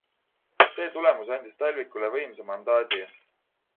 See tulemus andis Talvikule võimsa mandaadi.